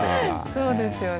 そうですよね。